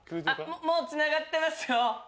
もう繋がってますよ。